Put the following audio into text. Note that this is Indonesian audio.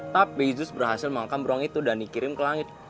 tapi justru berhasil mengangkam berang itu dan dikirim ke langit